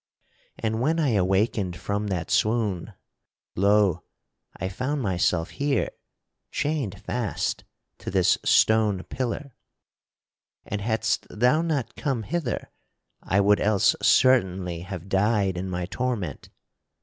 And when I awakened from that swoon lo! I found myself here, chained fast to this stone pillar. And hadst thou not come hither I would else certainly have died in my torment.